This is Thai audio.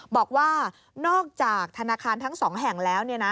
บอกว่านอกจากธนาคารทั้ง๒แห่งแล้ว